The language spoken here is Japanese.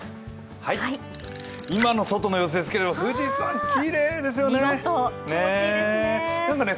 今の外の様子ですけれども、富士山きれいですよね。